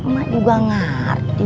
mak juga ngerti